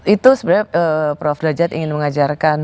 itu sebenarnya prof derajat ingin mengajarkan